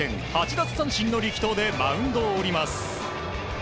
奪三振の力投でマウンドを降ります。